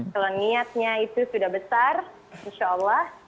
kalau niatnya itu sudah besar insya allah